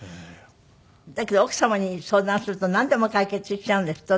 だけど奥様に相談するとなんでも解決しちゃうんですって？